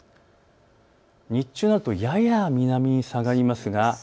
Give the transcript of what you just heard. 日中、やや南に下がりますが